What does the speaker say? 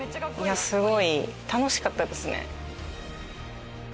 すごい楽しかったですね。